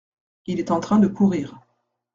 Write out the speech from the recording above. Il est en train de courir.